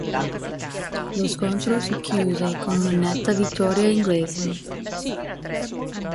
Lo scontro si chiuse con una netta vittoria inglese.